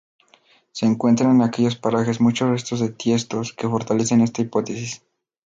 Se encuentran en aquellos parajes muchos restos de tiestos que fortalecen esta hipótesis.